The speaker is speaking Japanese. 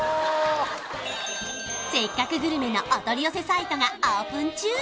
「せっかくグルメ！！」のお取り寄せサイトがオープン中